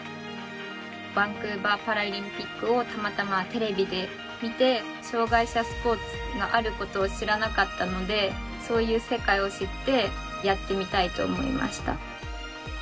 バンクーバーパラリンピックをたまたまテレビで見て障がい者スポーツがあることを知らなかったのでそういう世界を知ってやってみたいと思いました。